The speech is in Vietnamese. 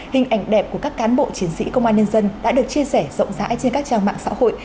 hình ảnh đẹp của các cán bộ chiến sĩ công an nhân dân đã được chia sẻ rộng rãi trên các trang mạng xã hội